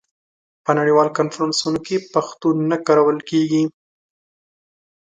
په نړیوالو کنفرانسونو کې پښتو نه کارول کېږي.